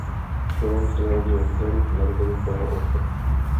Sean se narodil v den narozenin svého otce.